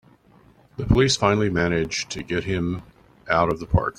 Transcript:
The police finally manage to get him out of the park!